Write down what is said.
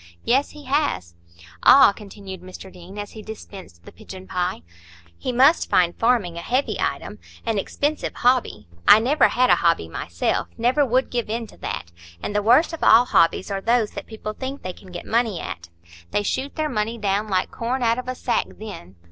"Yes, he has." "Ah!" continued Mr Deane, as he dispensed the pigeonpie, "he must find farming a heavy item,—an expensive hobby. I never had a hobby myself, never would give in to that. And the worst of all hobbies are those that people think they can get money at. They shoot their money down like corn out of a sack then."